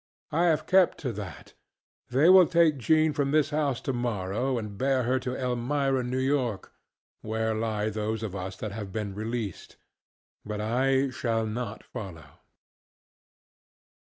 I have kept to that. They will take Jean from this house tomorrow, and bear her to Elmira, New York, where lie those of us that have been released, but I shall not follow.